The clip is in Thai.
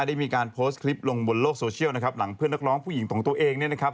ได้มีการโพสต์คลิปลงบนโลกโซเชียลนะครับหลังเพื่อนนักร้องผู้หญิงของตัวเองเนี่ยนะครับ